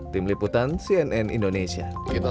tim liputan cnn indonesia